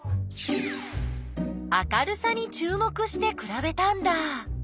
明るさにちゅう目してくらべたんだ。